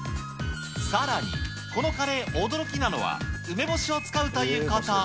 さらに、このカレー、驚きなのは、梅干しを使うということ。